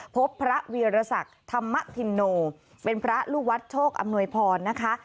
พบพระวีรศักดิ์ธรรมธินโนเป็นพระลูกวัดโชคอำนวยพรนะคะ